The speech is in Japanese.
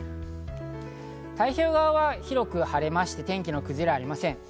太平洋側は広く晴れまして天気の崩れはありません。